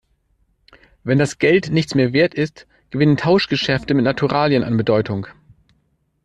Wenn das Geld nichts mehr Wert ist, gewinnen Tauschgeschäfte mit Naturalien an Bedeutung.